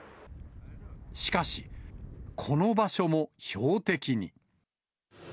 しかし、この場所も標的に。